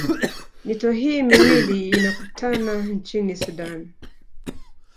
Mito hii miwili inakutana nchini sudani